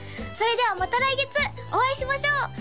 それではまた来月お会いしましょう！